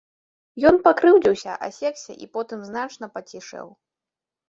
Ён пакрыўдзіўся, асекся і потым значна пацішэў.